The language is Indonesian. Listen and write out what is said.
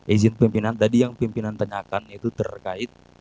izin pimpinan tadi yang pimpinan tanyakan itu terkait